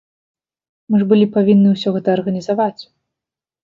Мы ж былі павінны ўсё гэта арганізаваць.